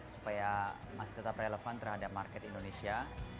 supaya masih tetap relevan terhadap market indonesia